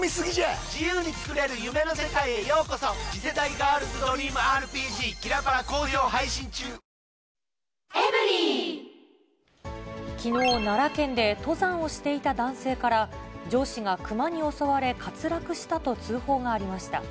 カロカロおとなのカロリミットきのう、奈良県で登山をしていた男性から、上司が熊に襲われ、滑落したと通報がありました。